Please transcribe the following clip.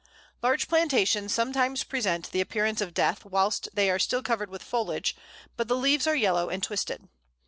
Larch plantations sometimes present the appearance of death whilst they are still covered with foliage, but the leaves are yellow and twisted.